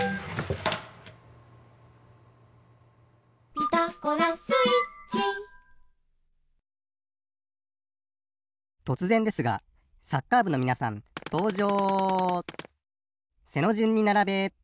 「ピタゴラスイッチ」とつぜんですがサッカーぶのみなさんとうじょう